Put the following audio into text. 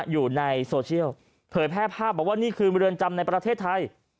อยู่ในโซเชียลเผยแพร่ภาพบอกว่านี่คือเรือนจำในประเทศไทย